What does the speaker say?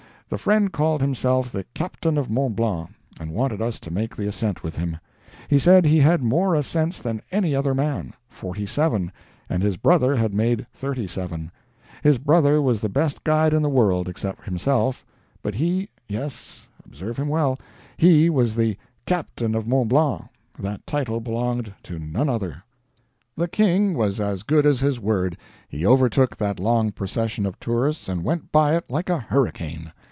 The friend called himself the "Captain of Mont Blanc," and wanted us to make the ascent with him. He said he had made more ascents than any other man forty seven and his brother had made thirty seven. His brother was the best guide in the world, except himself but he, yes, observe him well he was the "Captain of Mont Blanc" that title belonged to none other. The "king" was as good as his word he overtook that long procession of tourists and went by it like a hurricane.